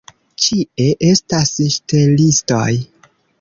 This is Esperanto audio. Ĉie estas ŝtelistoj.